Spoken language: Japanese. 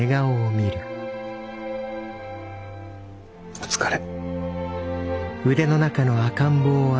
お疲れ。